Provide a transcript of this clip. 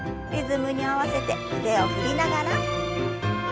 リズムに合わせて腕を振りながら。